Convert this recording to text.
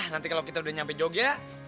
nanti kalau kita udah nyampe jogja